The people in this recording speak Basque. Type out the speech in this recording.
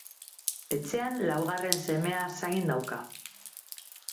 Etxean, laugarren semea zain dauka.